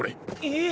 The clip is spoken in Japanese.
ええ！